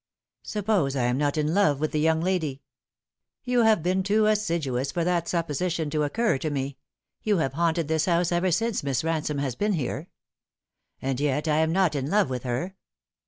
" Suppose I am not in love with the young lady ?"" You have been too assiduous for that supposition to occur to me. You have haunted this house ever since Miss Bansome has been here." " And yet I am not in love with her."